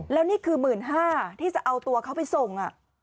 แล้วนี่คือ๑๕๐๐บาทที่จะเอาตัวเขาไปส่ง